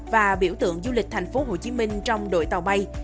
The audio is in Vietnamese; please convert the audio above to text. và biểu tượng du lịch thành phố hồ chí minh trong đội tàu bay